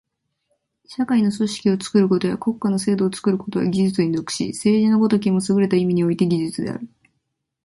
社会の組織を作ることや国家の制度を作ることは技術に属し、政治の如きもすぐれた意味において技術である。